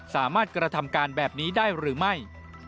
สามารถกระทำการแบบนี้ได้หรือไม่